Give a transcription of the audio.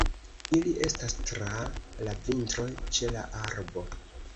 Ili estas tra la vintro ĉe la arbo.